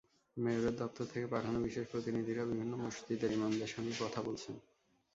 মেয়রের দপ্তর থেকে পাঠানো বিশেষ প্রতিনিধিরা বিভিন্ন মসজিদের ইমামদের সঙ্গে কথা বলছেন।